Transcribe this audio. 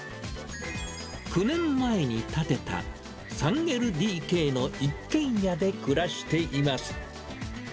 ９年前に建てた、３ＬＤＫの一軒家で暮らしています。